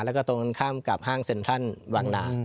แล้วก็ตรงข้ามกับห้างเซ็นทรัลวังนา